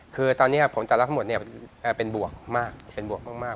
คือตอนนี้ผลแต่ละทั้งหมดเป็นบวกมากเป็นบวกมาก